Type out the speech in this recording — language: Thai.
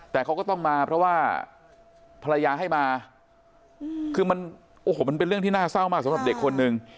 แต่เขาก็ต้องมาเพราะว่าภรรยาให้มาคือมันโอ้โหมันเป็นเรื่องที่น่าเศร้ามากสำหรับเด็กคนนึง